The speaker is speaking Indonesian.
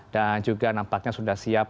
juga nampaknya sudah siap